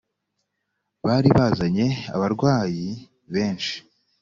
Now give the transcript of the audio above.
bari bazanye abarwayi benshi